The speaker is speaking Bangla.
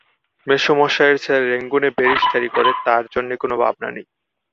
মেসোমশায়ের ছেলে রেঙ্গুনে ব্যারিস্টারি করে, তার জন্যে কোনে ভাবনা নেই।